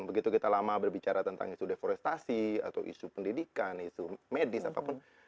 begitu kita lama berbicara tentang isu deforestasi atau isu pendidikan isu medis apapun